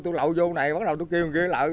tôi lậu vô cái này bắt đầu tôi kêu người kia lậu